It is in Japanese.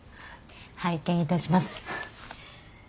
拝見いたします。